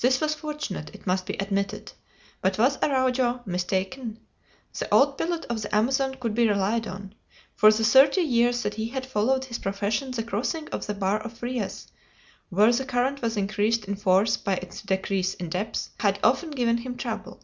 This was fortunate, it must be admitted. But was Araujo mistaken? The old pilot of the Amazon could be relied on. For the thirty years that he had followed his profession the crossing of the Bar of Frias, where the current was increased in force by its decrease in depth, had often given him trouble.